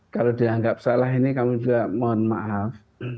kalau dianggap salah ini kami juga mohon maaf